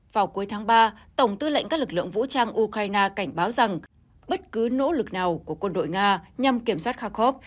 vào cuối tháng ba tổng tư lệnh các lực lượng vũ trang ukraine cảnh báo rằng bất cứ nỗ lực nào của quân đội nga nhằm kiểm soát khakhov